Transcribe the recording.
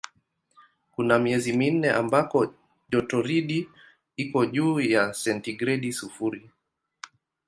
Kuna miezi minne ambako jotoridi iko juu ya sentigredi sifuri.